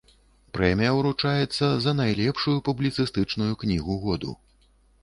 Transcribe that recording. Прэмія ўручаецца за найлепшую публіцыстычную кнігу году.